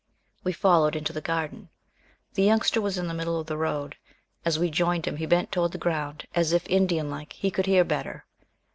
We followed into the garden. The Youngster was in the middle of the road. As we joined him he bent toward the ground, as if, Indian like, he could hear better.